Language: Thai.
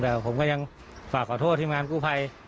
แต่ผมก็ยังฝากขอโทษทีมงานกู้ภัย